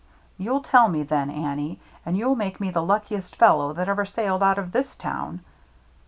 " You'll tell me then, Annie, and you'll make me the luckiest fel low that ever sailed out of this town.